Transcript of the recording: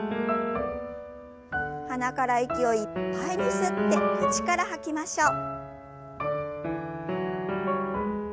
鼻から息をいっぱいに吸って口から吐きましょう。